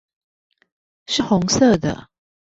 是紅色的